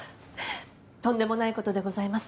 とんでもないことでございます。